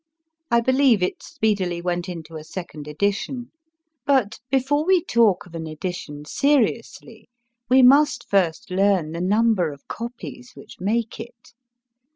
I believe it speedily went into a second edition. But before we talk of an edition seriously we must first learn the number of copies which make it.